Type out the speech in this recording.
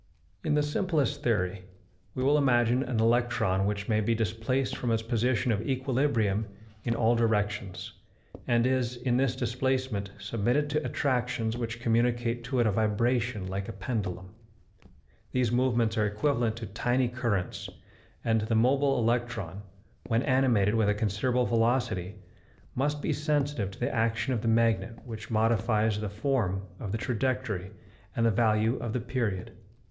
In the simplest theory, we will imagine an electron which may be displaced from its position of equilibrium in all directions, and is, in this displacement, submitted to attractions which communicate to it a vibration like a pendulum. These movements are equivalent to tiny currents, and the mobile electron, when animated with a considerable velocity, must be sensitive to the action of the magnet which modifies the form of the trajectory and the value of the period.